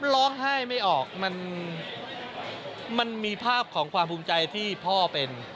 ร้องไห้ไม่ออกมันมีภาพของความภูมิใจที่พ่อเป็น